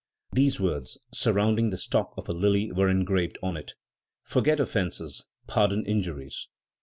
These words, surrounding the stalk of a lily, were engraved on it: "Forget offences, pardon injuries."